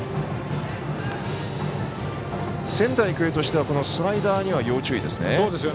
仙台育英としてはスライダーには要注意ですね。